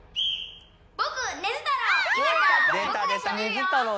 ぼくねずたろう！